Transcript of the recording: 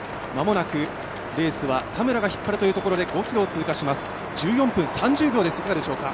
間もなくレースは田村が引っ張るというところで５ｋｍを通過します、１４分３０秒です。